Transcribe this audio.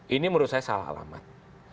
ini menurut saya salah alamat